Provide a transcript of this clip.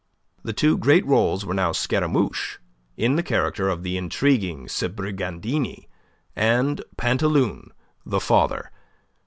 The two great roles were now Scaramouche, in the character of the intriguing Sbrigandini, and Pantaloon the father.